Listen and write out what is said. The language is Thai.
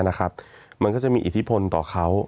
มีความรู้สึกว่ามีความรู้สึกว่า